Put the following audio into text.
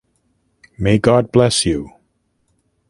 May God bless you.